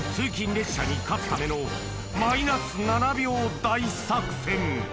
列車に勝つためのマイナス７秒大作戦